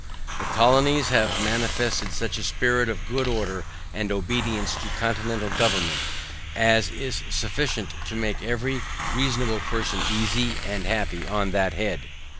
The colonies have manifested such a spirit of good order and obedience to continental government, as is sufficient to make every reasonable person easy and happy on that head.